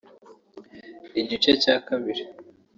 Igice cya kabiri